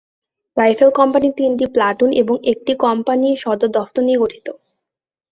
Rifle company তিনটি platoon এবং একটি কম্পানি সদর দফতর নিয়ে গঠিত।